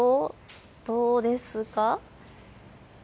どうですか。